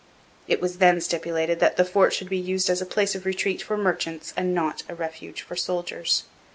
It was then stipulated that the fort should be used as a place of retreat for merchants and not a refuge for soldiers.